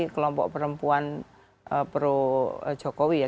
kelompok perempuan pro jokowi ya